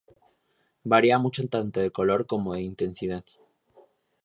Varía mucho tanto de color como de intensidad.